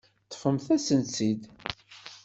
Ṭṭfemt-asen-tt-id.